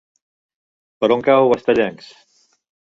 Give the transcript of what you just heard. Per on cau Estellencs?